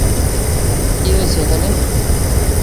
কী হয়েছে এখানে?